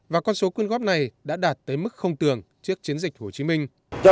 và con số quyên góp này đã đạt tới mức không tưởng trước chiến dịch hồ chí minh